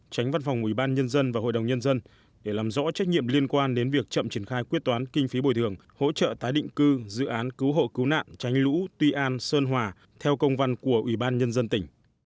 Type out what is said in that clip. tránh văn phòng ubnd và hội đồng nhân dân để làm rõ trách nhiệm liên quan đến việc chậm triển khai quyết toán kinh phí bồi thường hỗ trợ tái định cư dự án cứu hộ cứu nạn tránh lũ tuy an sơn hòa theo công văn của ủy ban nhân dân tỉnh